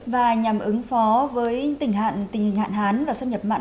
và nhằm ứng phó với tình hạn hán và sâm nhập mặn